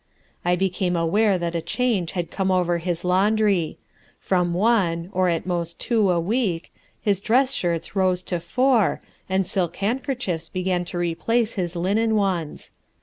I became aware that a change had come over his laundry; from one, or at most two a week, his dress shirts rose to four, and silk handkerchiefs began to replace his linen ones.